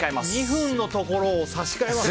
２分のところを差し替えます。